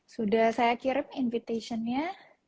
sudah saya kirim invitation nya